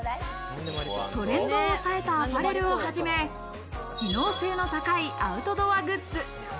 トレンドをおさえたアパレルをはじめ、機能性の高いアウトドアグッズ。